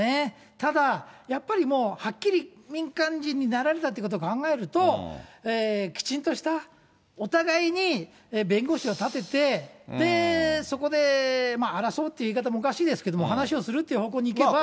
ただ、やっぱりはっきり民間人になられたってことを考えると、きちんとしたお互いに弁護士を立てて、で、そこで争うって言い方もおかしいですけども、交渉をするというね。